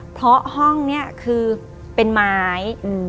เพราะห้องนี้คือเป็นไม้